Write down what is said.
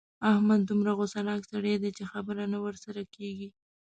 احمد دومره غوسناک سړی دی چې خبره نه ورسره کېږي.